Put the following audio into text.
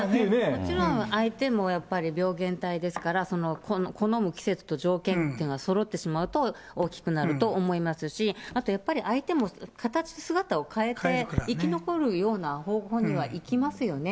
もちろん、相手もやっぱり病原体ですから、好む季節と条件というのがそろってしまうと、大きくなると思いますし、あとやっぱり、相手も形、姿を変えて生き残るような方法にはいきますよね。